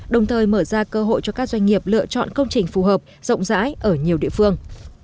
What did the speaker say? đồng thời mở ra cơ hội cho các doanh nghiệp lựa chọn công trình phù hợp rộng rãi ở nhiều địa phương